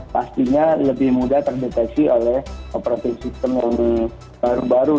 pastinya lebih mudah terdeteksi oleh operating system yang baru baru